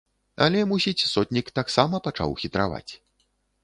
Але, мусіць, сотнік таксама пачаў хітраваць.